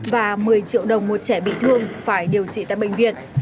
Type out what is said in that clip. và một mươi triệu đồng một trẻ bị thương phải điều trị tại bệnh viện